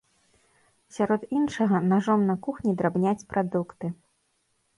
Сярод іншага, нажом на кухні драбняць прадукты.